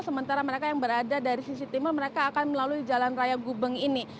sementara mereka yang berada dari sisi timur mereka akan melalui jalan raya gubeng ini